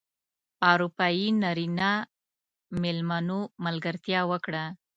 اروپايي نرینه مېلمنو ملګرتیا وکړه.